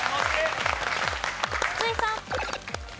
筒井さん。